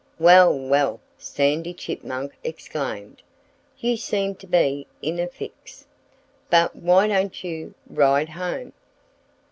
"Well, well!" Sandy Chipmunk exclaimed. "You seem to be in a fix. But why don't you ride home?"